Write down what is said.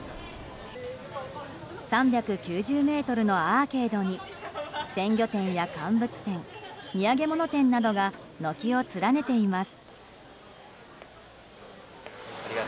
３９０ｍのアーケードに鮮魚店や乾物店土産物店などが軒を連ねています。